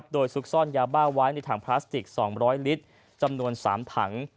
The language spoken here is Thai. โดยซุกซ่อนยาบ้าไว้ในถังพลาสติก๒๐๐ลิตรจำนวน๓ถัง